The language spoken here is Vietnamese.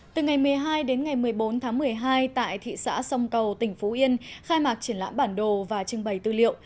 từ ngày một mươi hai đến ngày một mươi bốn tháng một mươi hai tại thị xã sông cầu tỉnh phú yên khai mạc triển lãm bản đồ và trưng bày tư liệu